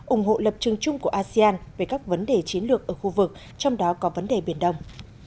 ủng hộ lập trường chung của asean về các vấn đề chiến lược ở khu vực trong đó có vấn đề biển đông